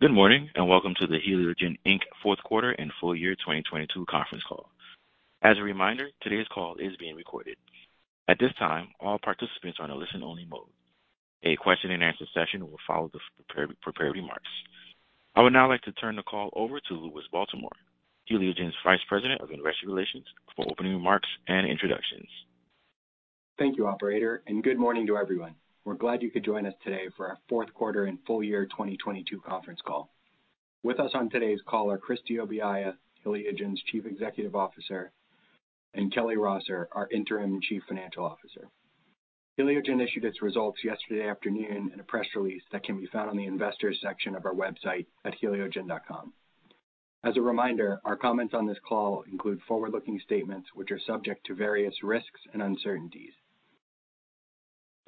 Good morning, and welcome to the Heliogen Inc. fourth quarter and full year 2022 conference call. As a reminder, today's call is being recorded. At this time, all participants are on a listen-only mode. A question-and-answer session will follow the prepared remarks. I would now like to turn the call over to Louis Baltimore, Heliogen's Vice President of Investor Relations, for opening remarks and introductions. Thank you, operator, and good morning to everyone. We're glad you could join us today for our fourth quarter and full year 2022 conference call. With us on today's call are Christie Obiaya, Heliogen's Chief Executive Officer, and Kelly Rosser, our Interim Chief Financial Officer. Heliogen issued its results yesterday afternoon in a press release that can be found on the investors section of our website at heliogen.com. As a reminder, our comments on this call include forward-looking statements which are subject to various risks and uncertainties.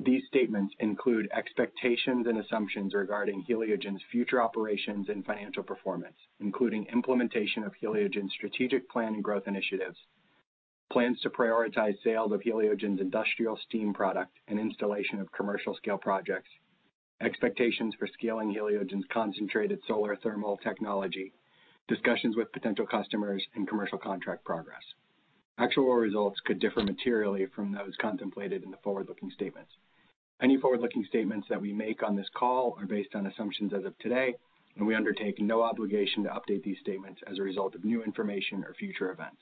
These statements include expectations and assumptions regarding Heliogen's future operations and financial performance, including implementation of Heliogen's strategic plan and growth initiatives, plans to prioritize sales of Heliogen's industrial steam product and installation of commercial scale projects, expectations for scaling Heliogen's concentrated solar thermal technology, discussions with potential customers, and commercial contract progress. Actual results could differ materially from those contemplated in the forward-looking statements. Any forward-looking statements that we make on this call are based on assumptions as of today, and we undertake no obligation to update these statements as a result of new information or future events.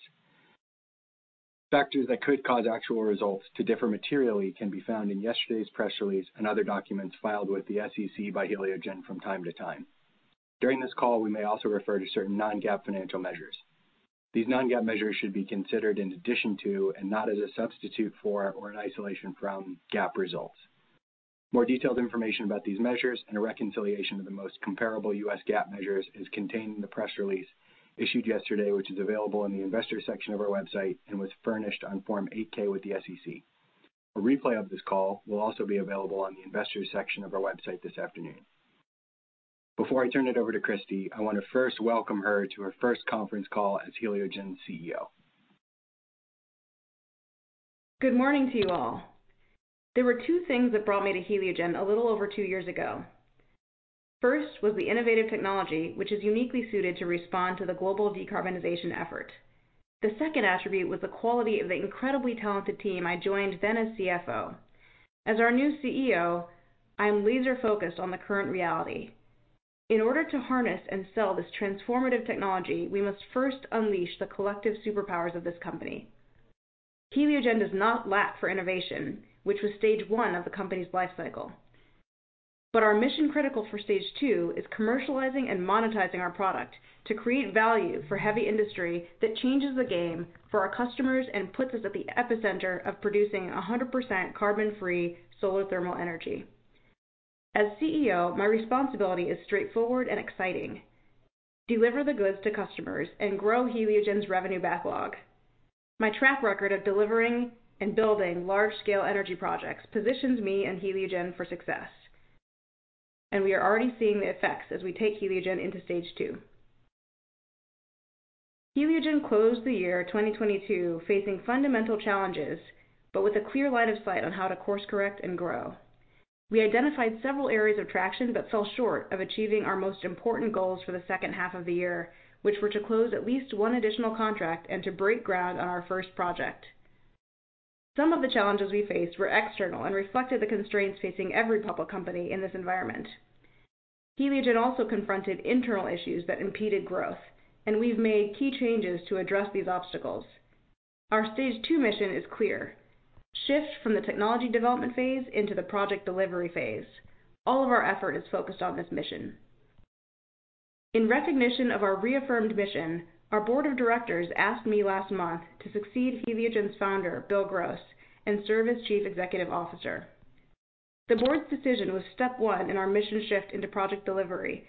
Factors that could cause actual results to differ materially can be found in yesterday's press release and other documents filed with the SEC by Heliogen from time to time. During this call, we may also refer to certain non-GAAP financial measures. These non-GAAP measures should be considered in addition to and not as a substitute for or an isolation from GAAP results. More detailed information about these measures and a reconciliation of the most comparable GAAP measures is contained in the press release issued yesterday, which is available in the investors section of our website and was furnished on Form 8-K with the SEC. A replay of this call will also be available on the investors section of our website this afternoon. Before I turn it over to Christie, I want to first welcome her to her first conference call as Heliogen's CEO. Good morning to you all. There were two things that brought me to Heliogen a little over two years ago. First was the innovative technology, which is uniquely suited to respond to the global decarbonization effort. The second attribute was the quality of the incredibly talented team I joined then as CFO. As our new CEO, I am laser-focused on the current reality. In order to harness and sell this transformative technology, we must first unleash the collective superpowers of this company. Heliogen does not lack for innovation, which was stage one of the company's life cycle. Our mission critical for stage two is commercializing and monetizing our product to create value for heavy industry that changes the game for our customers and puts us at the epicenter of producing 100% carbon-free solar thermal energy. As CEO, my responsibility is straightforward and exciting: deliver the goods to customers and grow Heliogen's revenue backlog. My track record of delivering and building large-scale energy projects positions me and Heliogen for success, and we are already seeing the effects as we take Heliogen into stage two. Heliogen closed the year 2022 facing fundamental challenges, but with a clear line of sight on how to course correct and grow. We identified several areas of traction but fell short of achieving our most important goals for the second half of the year, which were to close at least one additional contract and to break ground on our first project. Some of the challenges we faced were external and reflected the constraints facing every public company in this environment. Heliogen also confronted internal issues that impeded growth, and we've made key changes to address these obstacles. Our stage two mission is clear: shift from the technology development phase into the project delivery phase. All of our effort is focused on this mission. In recognition of our reaffirmed mission, our board of directors asked me last month to succeed Heliogen's Founder, Bill Gross, and serve as Chief Executive Officer. The board's decision was step one in our mission shift into project delivery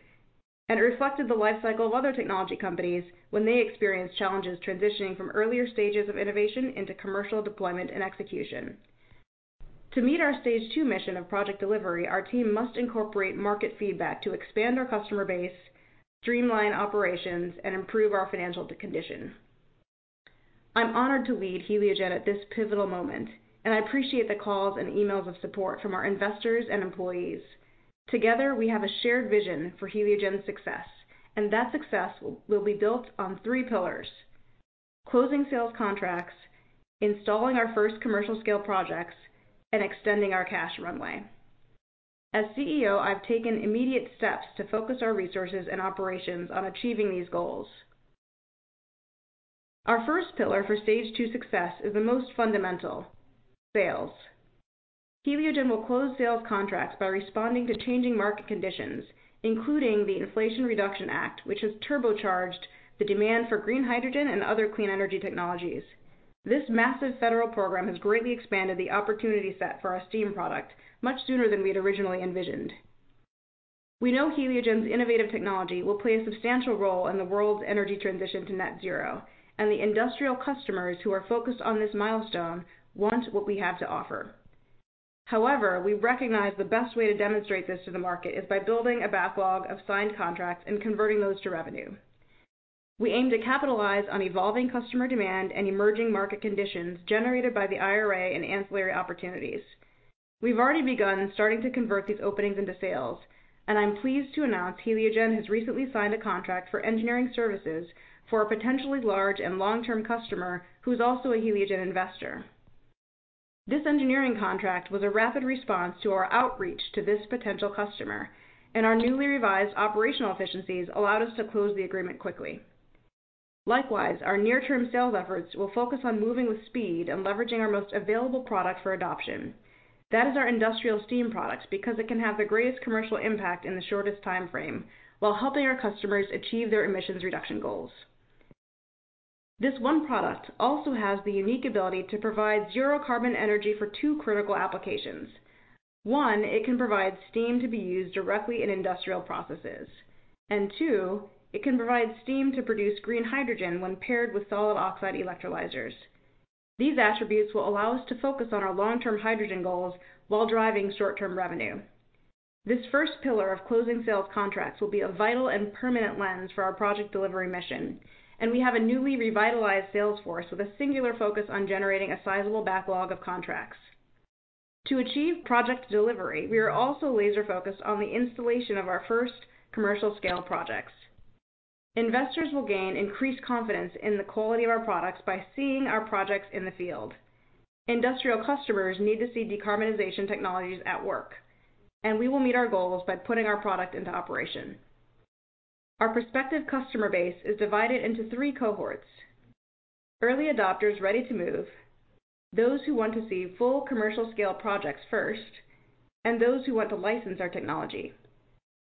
and reflected the life cycle of other technology companies when they experience challenges transitioning from earlier stages of innovation into commercial deployment and execution. To meet our stage two mission of project delivery, our team must incorporate market feedback to expand our customer base, streamline operations, and improve our financial condition. I'm honored to lead Heliogen at this pivotal moment, and I appreciate the calls and emails of support from our investors and employees. Together, we have a shared vision for Heliogen's success, and that success will be built on three pillars: closing sales contracts, installing our first commercial scale projects, and extending our cash runway. As CEO, I've taken immediate steps to focus our resources and operations on achieving these goals. Our first pillar for stage two success is the most fundamental, sales. Heliogen will close sales contracts by responding to changing market conditions, including the Inflation Reduction Act, which has turbocharged the demand for green hydrogen and other clean energy technologies. This massive federal program has greatly expanded the opportunity set for our steam product much sooner than we had originally envisioned. We know Heliogen's innovative technology will play a substantial role in the world's energy transition to net zero, and the industrial customers who are focused on this milestone want what we have to offer. We recognize the best way to demonstrate this to the market is by building a backlog of signed contracts and converting those to revenue. We aim to capitalize on evolving customer demand and emerging market conditions generated by the IRA and ancillary opportunities. We've already begun starting to convert these openings into sales, and I'm pleased to announce Heliogen has recently signed a contract for engineering services for a potentially large and long-term customer who's also a Heliogen investor. This engineering contract was a rapid response to our outreach to this potential customer, and our newly revised operational efficiencies allowed us to close the agreement quickly. Our near-term sales efforts will focus on moving with speed and leveraging our most available product for adoption. That is our industrial steam product because it can have the greatest commercial impact in the shortest timeframe while helping our customers achieve their emissions reduction goals. This one product also has the unique ability to provide zero carbon energy for two critical applications. One, it can provide steam to be used directly in industrial processes. Two, it can provide steam to produce green hydrogen when paired with solid oxide electrolyzers. These attributes will allow us to focus on our long-term hydrogen goals while driving short-term revenue. This first pillar of closing sales contracts will be a vital and permanent lens for our project delivery mission, and we have a newly revitalized sales force with a singular focus on generating a sizable backlog of contracts. To achieve project delivery, we are also laser-focused on the installation of our first commercial scale projects. Investors will gain increased confidence in the quality of our products by seeing our projects in the field. Industrial customers need to see decarbonization technologies at work, and we will meet our goals by putting our product into operation. Our prospective customer base is divided into three cohorts: early adopters ready to move, those who want to see full commercial scale projects first, and those who want to license our technology.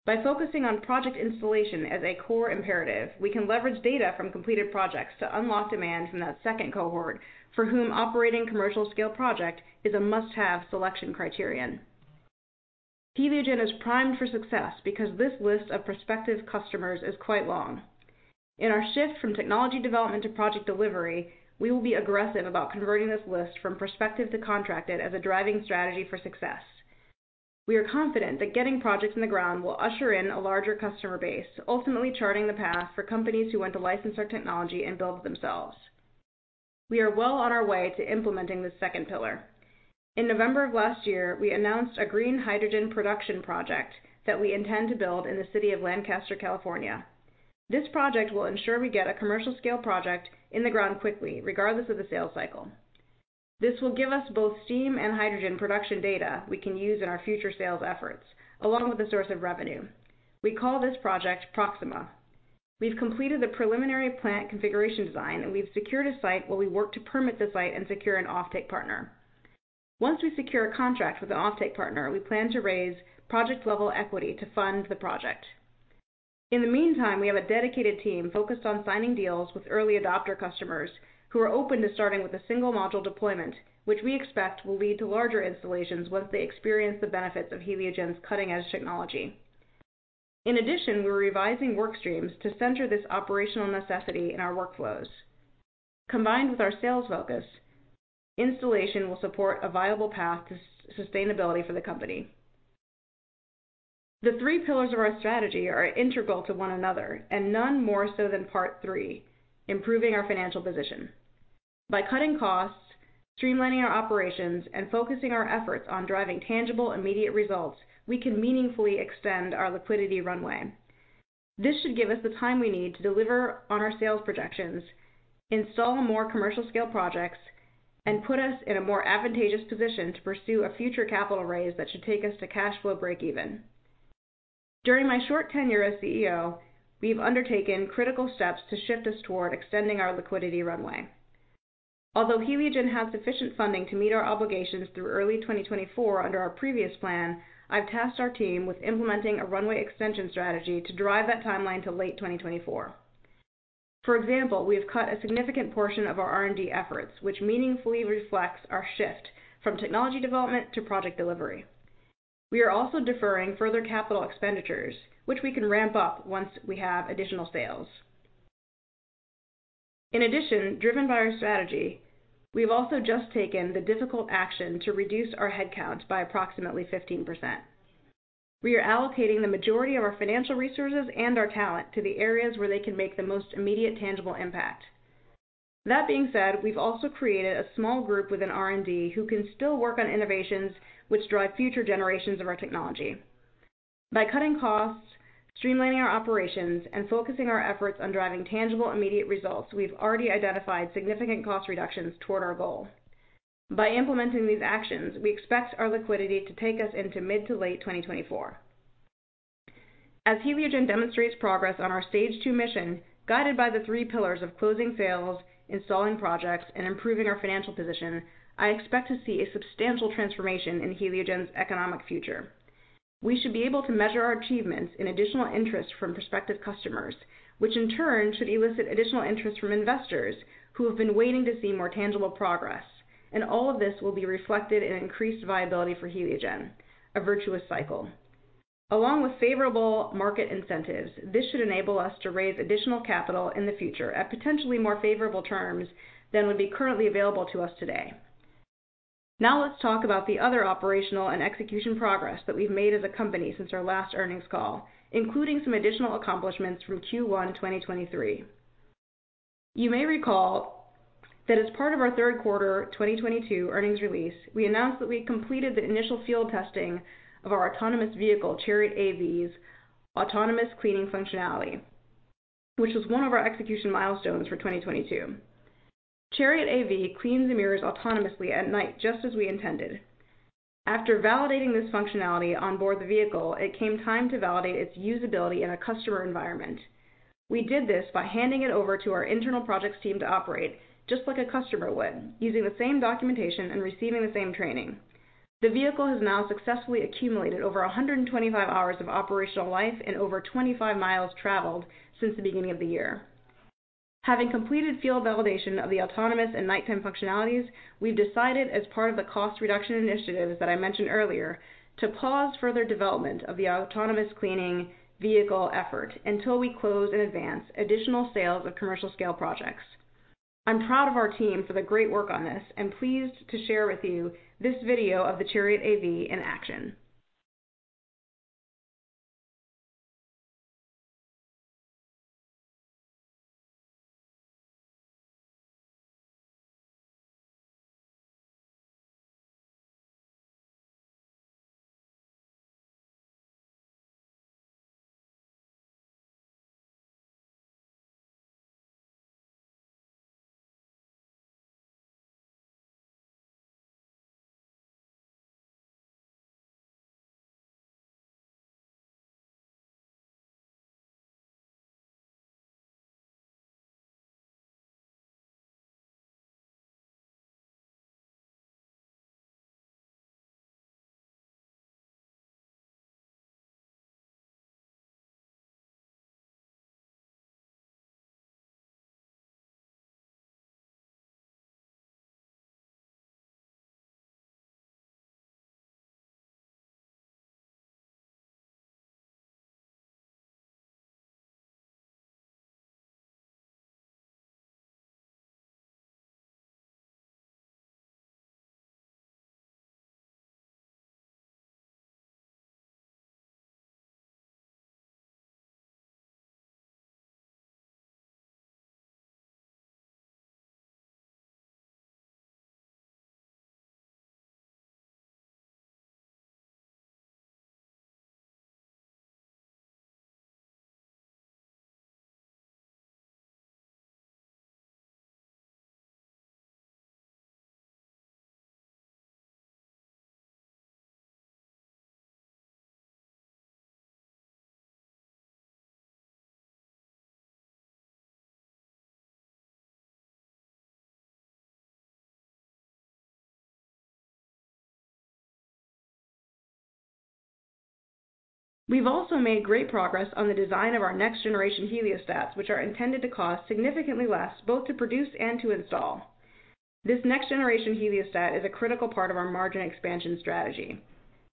By focusing on project installation as a core imperative, we can leverage data from completed projects to unlock demand from that second cohort for whom operating commercial scale project is a must-have selection criterion. Heliogen is primed for success because this list of prospective customers is quite long. In our shift from technology development to project delivery, we will be aggressive about converting this list from prospective to contracted as a driving strategy for success. We are confident that getting projects in the ground will usher in a larger customer base, ultimately charting the path for companies who want to license our technology and build themselves. We are well on our way to implementing this second pillar. In November of last year, we announced a green hydrogen production project that we intend to build in the city of Lancaster, California. This project will ensure we get a commercial scale project in the ground quickly, regardless of the sales cycle. This will give us both steam and hydrogen production data we can use in our future sales efforts, along with a source of revenue. We call this Project Proxima. We've completed the preliminary plant configuration design, and we've secured a site while we work to permit the site and secure an offtake partner. Once we secure a contract with an offtake partner, we plan to raise project-level equity to fund the project. In the meantime, we have a dedicated team focused on signing deals with early adopter customers who are open to starting with a single module deployment, which we expect will lead to larger installations once they experience the benefits of Heliogen's cutting-edge technology. In addition, we're revising work streams to center this operational necessity in our workflows. Combined with our sales focus, installation will support a viable path to sustainability for the company. The three pillars of our strategy are integral to one another, and none more so than part three, improving our financial position. By cutting costs, streamlining our operations, and focusing our efforts on driving tangible, immediate results, we can meaningfully extend our liquidity runway. This should give us the time we need to deliver on our sales projections, install more commercial scale projects, and put us in a more advantageous position to pursue a future capital raise that should take us to cash flow breakeven. During my short tenure as CEO, we've undertaken critical steps to shift us toward extending our liquidity runway. Although Heliogen has sufficient funding to meet our obligations through early 2024 under our previous plan, I've tasked our team with implementing a runway extension strategy to drive that timeline to late 2024. For example, we have cut a significant portion of our R&D efforts, which meaningfully reflects our shift from technology development to project delivery. We are also deferring further capital expenditures, which we can ramp up once we have additional sales. Driven by our strategy, we've also just taken the difficult action to reduce our headcount by approximately 15%. We are allocating the majority of our financial resources and our talent to the areas where they can make the most immediate tangible impact. That being said, we've also created a small group within R&D who can still work on innovations which drive future generations of our technology. By cutting costs, streamlining our operations, and focusing our efforts on driving tangible, immediate results, we've already identified significant cost reductions toward our goal. By implementing these actions, we expect our liquidity to take us into mid to late 2024. As Heliogen demonstrates progress on our Stage Two mission, guided by the three pillars of closing sales, installing projects, and improving our financial position, I expect to see a substantial transformation in Heliogen's economic future. We should be able to measure our achievements in additional interest from prospective customers, which in turn should elicit additional interest from investors who have been waiting to see more tangible progress. All of this will be reflected in increased viability for Heliogen, a virtuous cycle. Along with favorable market incentives, this should enable us to raise additional capital in the future at potentially more favorable terms than would be currently available to us today. Now let's talk about the other operational and execution progress that we've made as a company since our last earnings call, including some additional accomplishments from Q1 2023. You may recall that as part of our third quarter 2022 earnings release, we announced that we completed the initial field testing of our autonomous vehicle, Chariot AV's autonomous cleaning functionality, which was one of our execution milestones for 2022. ChariotAV cleans the mirrors autonomously at night, just as we intended. After validating this functionality on board the vehicle, it came time to validate its usability in a customer environment. We did this by handing it over to our internal projects team to operate just like a customer would, using the same documentation and receiving the same training. The vehicle has now successfully accumulated over 125 hours of operational life and over 25 miles traveled since the beginning of the year. Having completed field validation of the autonomous and nighttime functionalities, we've decided as part of the cost reduction initiatives that I mentioned earlier to pause further development of the autonomous cleaning vehicle effort until we close and advance additional sales of commercial-scale projects. I'm proud of our team for the great work on this and pleased to share with you this video of the ChariotAV in action. We've also made great progress on the design of our next generation Heliostats, which are intended to cost significantly less both to produce and to install. This next generation Heliostat is a critical part of our margin expansion strategy.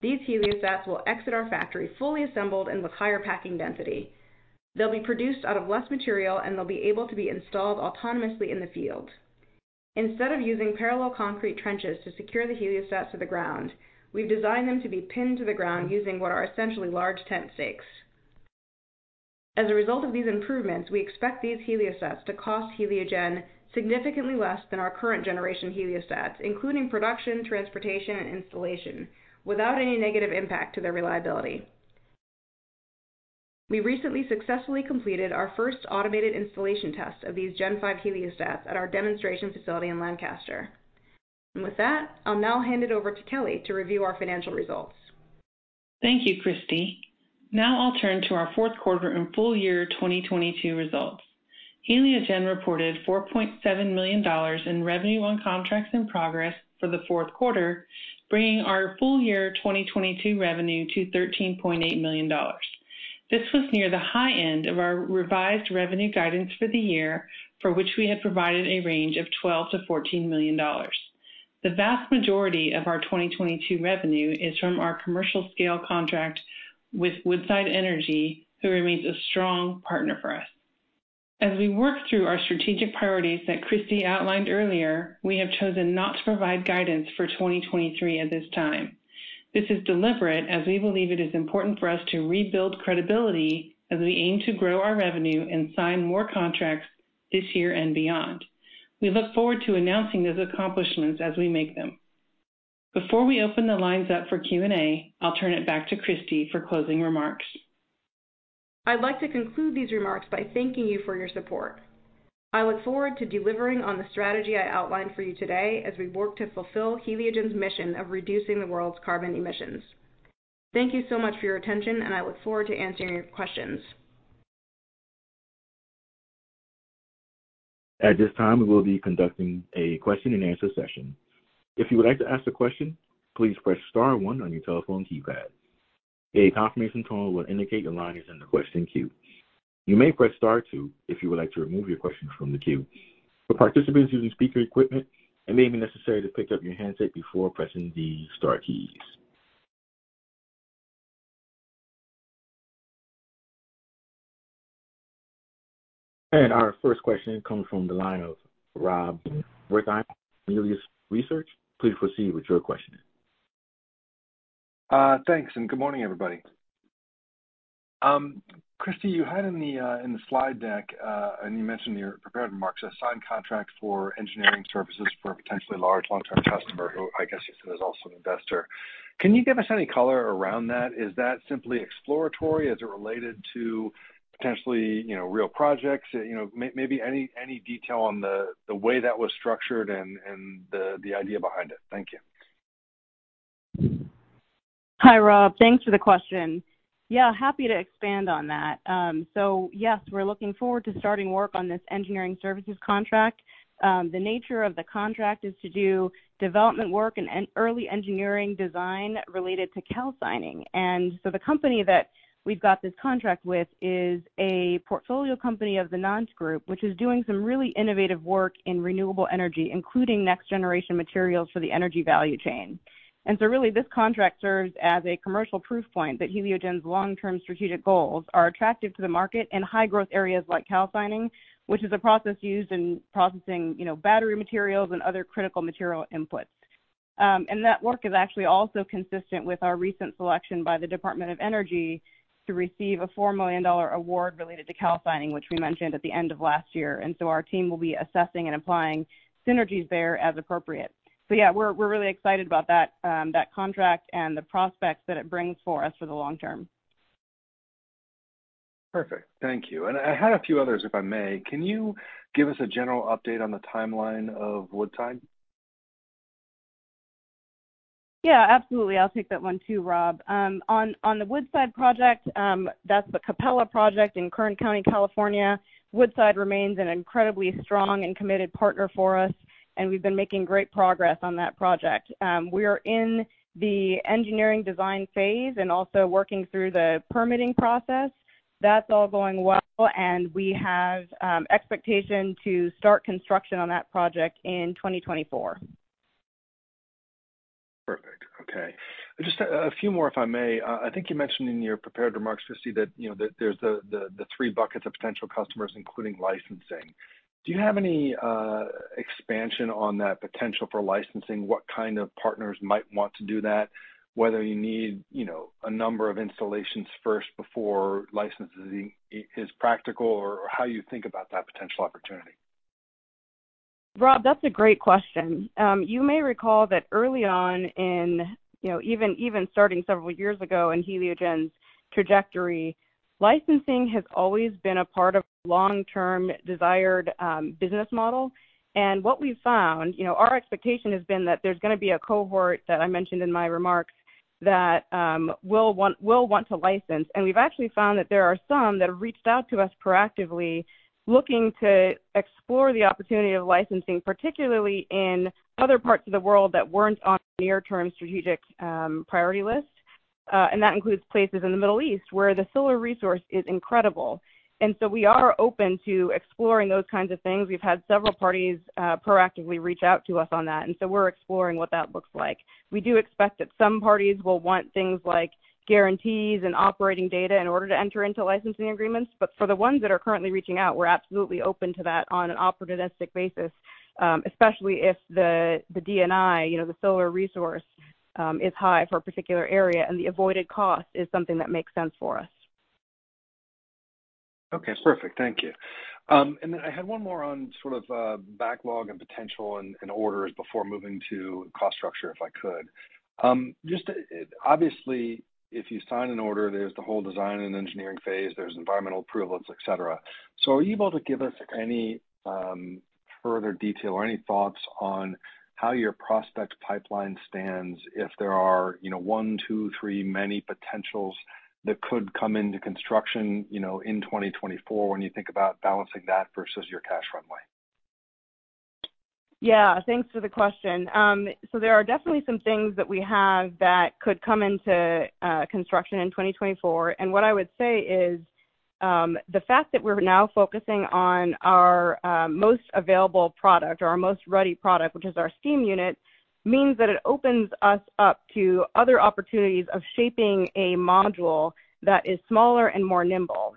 These Heliostats will exit our factory fully assembled and with higher packing density. They'll be produced out of less material, and they'll be able to be installed autonomously in the field. Instead of using parallel concrete trenches to secure the Heliostats to the ground, we've designed them to be pinned to the ground using what are essentially large tent stakes. As a result of these improvements, we expect these heliostats to cost Heliogen significantly less than our current generation heliostats, including production, transportation and installation without any negative impact to their reliability. We recently successfully completed our first automated installation test of these Gen 5 heliostats at our demonstration facility in Lancaster. With that, I'll now hand it over to Kelly to review our financial results. Thank you, Christie. Now I'll turn to our fourth quarter and full year 2022 results. Heliogen reported $4.7 million in revenue on contracts in progress for the fourth quarter, bringing our full year 2022 revenue to $13.8 million. This was near the high end of our revised revenue guidance for the year, for which we had provided a range of $12 million-$14 million. The vast majority of our 2022 revenue is from our commercial scale contract with Woodside Energy, who remains a strong partner for us. As we work through our strategic priorities that Christie outlined earlier, we have chosen not to provide guidance for 2023 at this time. This is deliberate as we believe it is important for us to rebuild credibility as we aim to grow our revenue and sign more contracts this year and beyond. We look forward to announcing those accomplishments as we make them. Before we open the lines up for Q&A, I'll turn it back to Christie for closing remarks. I'd like to conclude these remarks by thanking you for your support. I look forward to delivering on the strategy I outlined for you today as we work to fulfill Heliogen's mission of reducing the world's carbon emissions. Thank you so much for your attention, and I look forward to answering your questions. At this time, we will be conducting a question and answer session. If you would like to ask a question, please press star one on your telephone keypad. A confirmation tone will indicate your line is in the question queue. You may press star two if you would like to remove your question from the queue. For participants using speaker equipment, it may be necessary to pick up your handset before pressing the star keys. Our first question comes from the line of Rob Reichert, Melius Research. Please proceed with your question. Thanks, and good morning, everybody. Christie, you had in the, in the slide deck, and you mentioned your prepared remarks, a signed contract for engineering services for a potentially large long-term customer who I guess you said is also an investor. Can you give us any color around that? Is that simply exploratory? Is it related to potentially, you know, real projects? You know, any detail on the way that was structured and the idea behind it. Thank you. Hi, Rob. Thanks for the question. Yeah, happy to expand on that. Yes, we're looking forward to starting work on this engineering services contract. The nature of the contract is to do development work and early engineering design related to calcining. The company that we've got this contract with is a portfolio company of the NantWorks group, which is doing some really innovative work in renewable energy, including next generation materials for the energy value chain. Really this contract serves as a commercial proof point that Heliogen's long-term strategic goals are attractive to the market in high growth areas like calcining, which is a process used in processing, you know, battery materials and other critical material inputs. That work is actually also consistent with our recent selection by the Department of Energy to receive a $4 million award related to calcining, which we mentioned at the end of last year. Our team will be assessing and applying synergies there as appropriate. Yeah, we're really excited about that contract and the prospects that it brings for us for the long term. Perfect. Thank you. I had a few others, if I may. Can you give us a general update on the timeline of Woodside? Yeah, absolutely. I'll take that one too, Rob. On the Woodside project, that's the Capella project in Kern County, California. Woodside remains an incredibly strong and committed partner for us, and we've been making great progress on that project. We are in the engineering design phase and also working through the permitting process. That's all going well, and we have expectation to start construction on that project in 2024. Perfect. Okay. Just a few more, if I may. I think you mentioned in your prepared remarks, Christie, that, you know, that there's the, the three buckets of potential customers, including licensing. Do you have any expansion on that potential for licensing? What kind of partners might want to do that, whether you need, you know, a number of installations first before licensing is practical, or how you think about that potential opportunity? Rob, that's a great question. You may recall that early on in, you know, even starting several years ago in Heliogen's trajectory, licensing has always been a part of long-term desired business model. What we've found, you know, our expectation has been that there's gonna be a cohort that I mentioned in my remarks that will want to license. We've actually found that there are some that have reached out to us proactively looking to explore the opportunity of licensing, particularly in other parts of the world that weren't on near-term strategic priority list. That includes places in the Middle East where the solar resource is incredible. We are open to exploring those kinds of things. We've had several parties proactively reach out to us on that, and so we're exploring what that looks like. We do expect that some parties will want things like guarantees and operating data in order to enter into licensing agreements, but for the ones that are currently reaching out, we're absolutely open to that on an opportunistic basis, especially if the DNI, you know, the solar resource, is high for a particular area and the avoided cost is something that makes sense for us. Okay, perfect. Thank you. Then I had one more on sort of backlog and potential and orders before moving to cost structure, if I could. Just obviously, if you sign an order, there's the whole design and engineering phase, there's environmental approvals, et cetera. Are you able to give us any further detail or any thoughts on how your prospect pipeline stands if there are, you know, one, two, three many potentials that could come into construction, you know, in 2024 when you think about balancing that versus your cash runway? Yeah, thanks for the question. There are definitely some things that we have that could come into construction in 2024. What I would say is, the fact that we're now focusing on our most available product or our most ready product, which is our steam unit, means that it opens us up to other opportunities of shaping a module that is smaller and more nimble.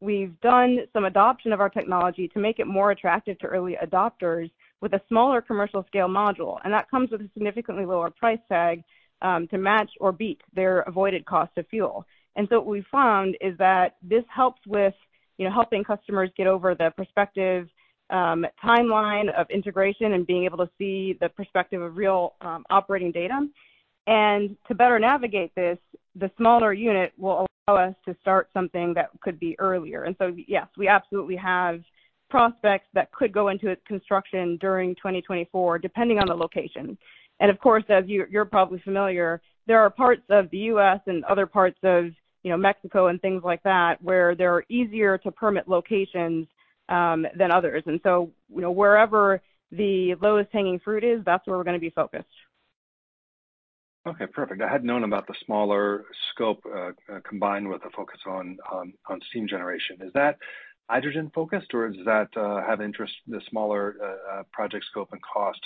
We've done some adoption of our technology to make it more attractive to early adopters with a smaller commercial scale module, and that comes with a significantly lower price tag to match or beat their avoided cost of fuel. What we found is that this helps with, you know, helping customers get over the perspective timeline of integration and being able to see the perspective of real operating data. To better navigate this, the smaller unit will allow us to start something that could be earlier. Yes, we absolutely have prospects that could go into construction during 2024, depending on the location. Of course, as you're probably familiar, there are parts of the U.S. and other parts of, you know, Mexico and things like that, where there are easier to permit locations than others. You know, wherever the lowest hanging fruit is, that's where we're gonna be focused. Okay, perfect. I hadn't known about the smaller scope, combined with the focus on steam generation. Is that hydrogen-focused or does that have interest, the smaller project scope and cost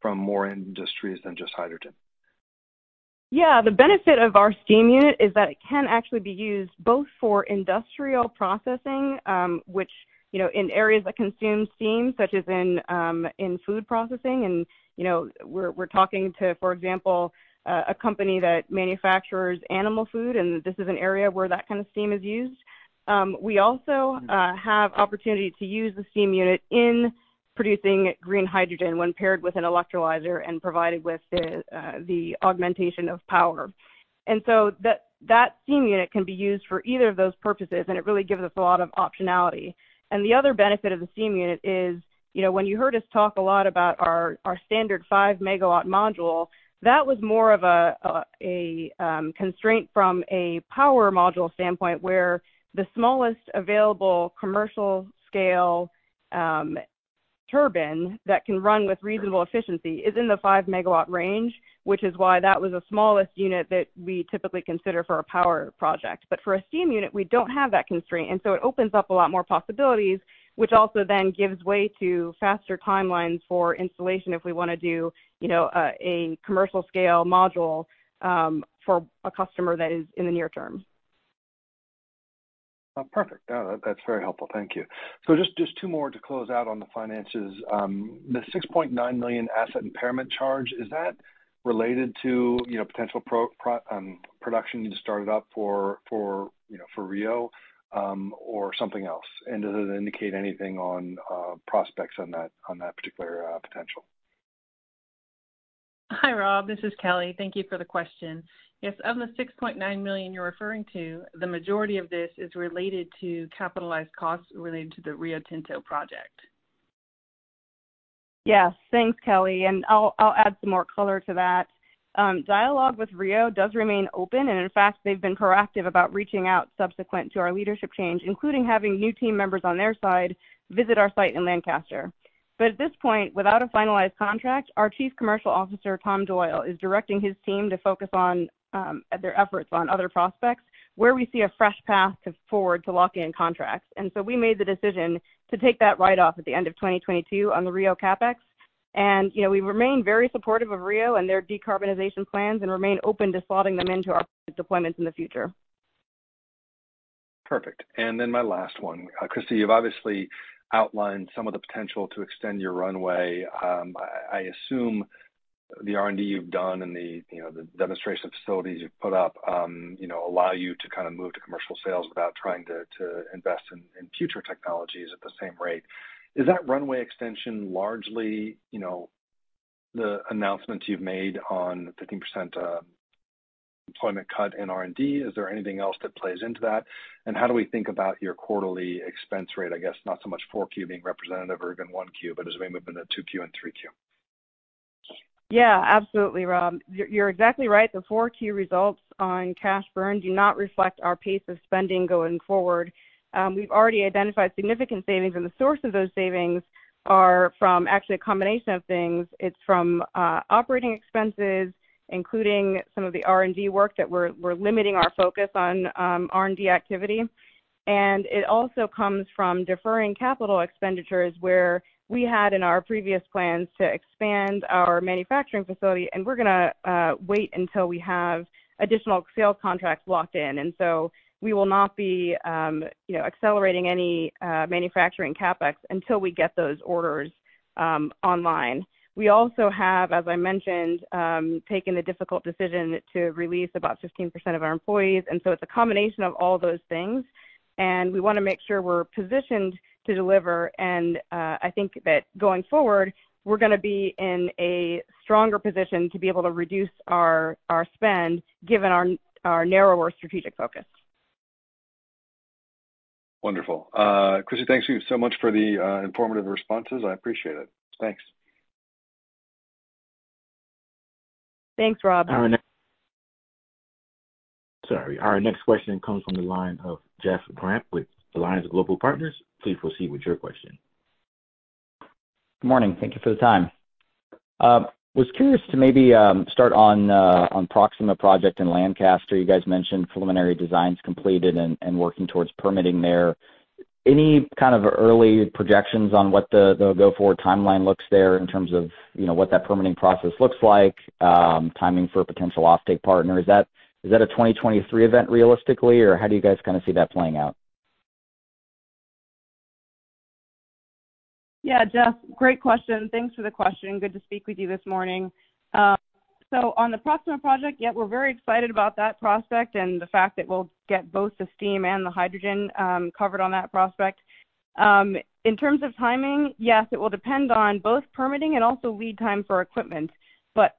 from more industries than just hydrogen? Yeah, the benefit of our steam unit is that it can actually be used both for industrial processing, which, you know, in areas that consume steam, such as in food processing. You know, we're talking to, for example, a company that manufactures animal food, and this is an area where that kind of steam is used. We also have opportunity to use the steam unit in producing green hydrogen when paired with an electrolyzer and provided with the augmentation of power. That, that steam unit can be used for either of those purposes, and it really gives us a lot of optionality. The other benefit of the steam unit is, you know, when you heard us talk a lot about our standard 5-megawatt module, that was more of a constraint from a power module standpoint, where the smallest available commercial scale turbine that can run with reasonable efficiency is in the 5-megawatt range, which is why that was the smallest unit that we typically consider for a power project. For a steam unit, we don't have that constraint, and so it opens up a lot more possibilities, which also then gives way to faster timelines for installation if we wanna do, you know, a commercial scale module for a customer that is in the near term. Perfect. No, that's very helpful. Thank you. Just two more to close out on the finances. The $6.9 million asset impairment charge, is that related to potential production you just started up for Rio, or something else? Does it indicate anything on prospects on that particular potential? Hi, Rob, this is Kelly. Thank you for the question. Yes, of the $6.9 million you're referring to, the majority of this is related to capitalized costs related to the Rio Tinto project. Yes. Thanks, Kelly, and I'll add some more color to that. Dialogue with Rio does remain open, and in fact, they've been proactive about reaching out subsequent to our leadership change, including having new team members on their side visit our site in Lancaster. At this point, without a finalized contract, our Chief Commercial Officer, Tom Doyle, is directing his team to focus on their efforts on other prospects where we see a fresh path to forward to lock in contracts. We made the decision to take that write-off at the end of 2022 on the Rio CapEx. You know, we remain very supportive of Rio and their decarbonization plans and remain open to slotting them into our deployments in the future. Perfect. My last one. Christie, you've obviously outlined some of the potential to extend your runway. I assume the R&D you've done and the, you know, the demonstration facilities you've put up, you know, allow you to kind of move to commercial sales without trying to invest in future technologies at the same rate. Is that runway extension largely, you know, the announcements you've made on 15% employment cut in R&D? Is there anything else that plays into that? How do we think about your quarterly expense rate, I guess not so much four Q being representative or even one Q, but as we move into two Q and three Q? Absolutely, Rob. You're exactly right. The 4Q results on cash burn do not reflect our pace of spending going forward. We've already identified significant savings, the source of those savings are from actually a combination of things. It's from operating expenses, including some of the R&D work that we're limiting our focus on R&D activity. It also comes from deferring capital expenditures, where we had in our previous plans to expand our manufacturing facility, and we're gonna wait until we have additional sales contracts locked in. We will not be, you know, accelerating any manufacturing CapEx until we get those orders online. We also have, as I mentioned, taken the difficult decision to release about 15% of our employees. It's a combination of all those things, and we wanna make sure we're positioned to deliver. I think that going forward, we're gonna be in a stronger position to be able to reduce our spend given our narrower strategic focus. Wonderful. Christie, thank you so much for the informative responses. I appreciate it. Thanks. Thanks, Rob. Sorry. Our next question comes from the line of Jeff Grampp with Alliance Global Partners. Please proceed with your question. Good morning. Thank you for the time. Was curious to maybe start on Proxima project in Lancaster. You guys mentioned preliminary designs completed and working towards permitting there. Any kind of early projections on what the go-forward timeline looks there in terms of, you know, what that permitting process looks like, timing for potential offtake partner? Is that a 2023 event realistically, or how do you guys kinda see that playing out? Yeah. Jeff, great question. Thanks for the question. Good to speak with you this morning. On the Proxima project, yeah, we're very excited about that prospect and the fact that we'll get both the steam and the hydrogen covered on that prospect. In terms of timing, yes, it will depend on both permitting and also lead time for equipment.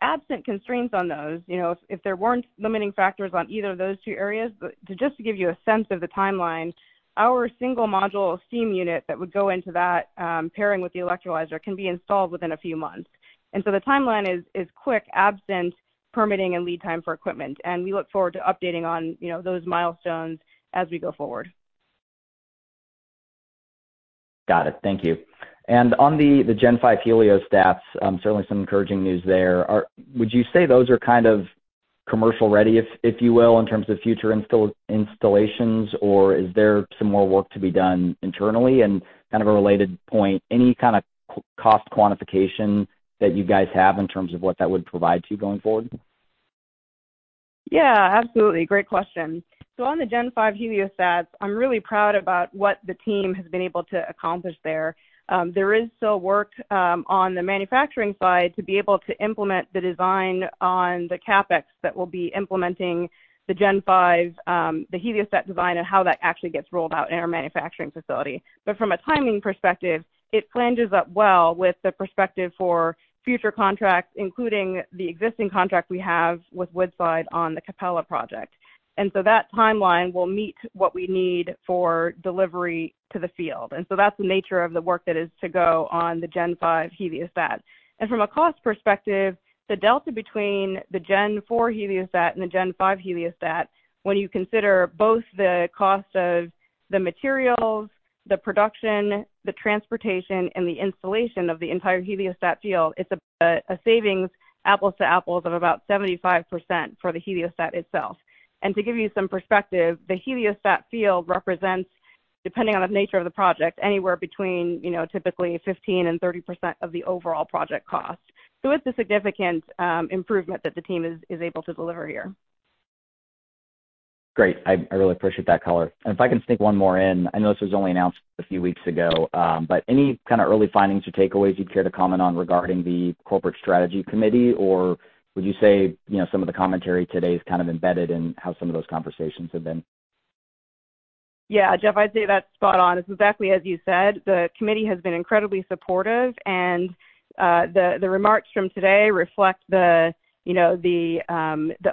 Absent constraints on those, you know, if there weren't limiting factors on either of those two areas, but to just to give you a sense of the timeline, our single module steam unit that would go into that pairing with the electrolyzer can be installed within a few months. The timeline is quick, absent permitting and lead time for equipment, and we look forward to updating on, you know, those milestones as we go forward. Got it. Thank you. On the Gen 5 heliostats, certainly some encouraging news there. Would you say those are kind of commercial ready, if you will, in terms of future installations, or is there some more work to be done internally? Kind of a related point, any kind of cost quantification that you guys have in terms of what that would provide to you going forward? Yeah, absolutely. Great question. On the Gen 5 Heliostat, I'm really proud about what the team has been able to accomplish there. There is still work on the manufacturing side to be able to implement the design on the CapEx that we'll be implementing the Gen 5, the Heliostat design and how that actually gets rolled out in our manufacturing facility. From a timing perspective, it flanges up well with the perspective for future contracts, including the existing contract we have with Woodside on the Capella project. That timeline will meet what we need for delivery to the field. That's the nature of the work that is to go on the Gen 5 Heliostat. From a cost perspective, the delta between the Gen 4 Heliostat and the Gen 5 Heliostat, when you consider both the cost of the materials, the production, the transportation, and the installation of the entire Heliostat field, it's a savings, apples to apples, of about 75% for the Heliostat itself. To give you some perspective, the Heliostat field represents, depending on the nature of the project, anywhere between, you know, typically 15% and 30% of the overall project cost. It's a significant improvement that the team is able to deliver here. Great. I really appreciate that color. If I can sneak one more in, I know this was only announced a few weeks ago, but any kind of early findings or takeaways you'd care to comment on regarding the corporate strategy committee? Would you say, you know, some of the commentary today is kind of embedded in how some of those conversations have been? Jeff, I'd say that's spot on. It's exactly as you said. The committee has been incredibly supportive and the remarks from today reflect the, you know, the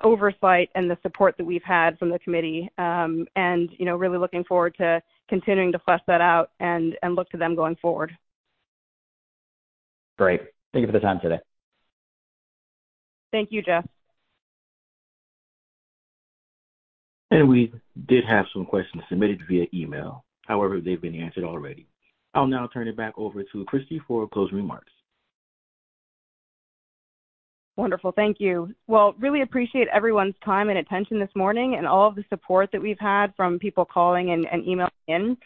oversight and the support that we've had from the committee. You know, really looking forward to continuing to flesh that out and look to them going forward. Great. Thank you for the time today. Thank you, Jeff. We did have some questions submitted via email. However, they've been answered already. I'll now turn it back over to Christie for closing remarks. Wonderful. Thank you. Well, really appreciate everyone's time and attention this morning, and all of the support that we've had from people calling and emailing in.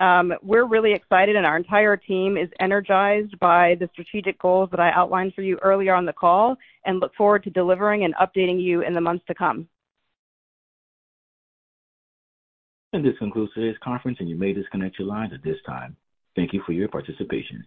We're really excited and our entire team is energized by the strategic goals that I outlined for you earlier on the call, and look forward to delivering and updating you in the months to come. This concludes today's conference, and you may disconnect your lines at this time. Thank you for your participation.